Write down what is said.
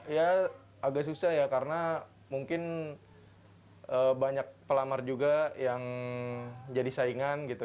ya agak susah ya karena mungkin banyak pelamar juga yang jadi saingan gitu